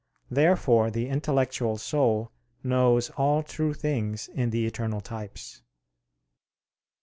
Therefore the intellectual soul knows all true things in the eternal types.